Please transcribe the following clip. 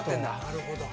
なるほど。